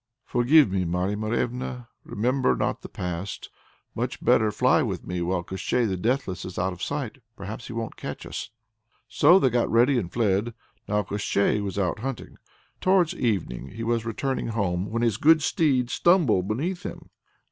"Forgive me, Marya Morevna! Remember not the past; much better fly with me while Koshchei the Deathless is out of sight. Perhaps he won't catch us." So they got ready and fled. Now Koshchei was out hunting. Towards evening he was returning home, when his good steed stumbled beneath him.